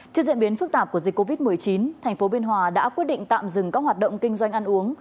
trước diễn biến phức tạp của dịch covid một mươi chín thành phố biên hòa đã quyết định tạm dừng các hoạt động kinh doanh ăn uống